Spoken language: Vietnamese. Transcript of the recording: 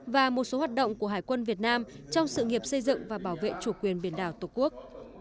và một số hoạt động của hải quân việt nam trong sự nghiệp xây dựng và bảo vệ chủ quyền biển đảo tổ quốc